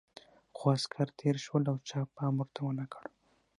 خو عسکر تېر شول او چا پام ورته ونه کړ.